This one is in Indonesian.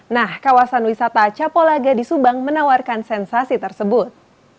nah kawasan wisata capolaga di subang menawarkan sensasi tersebut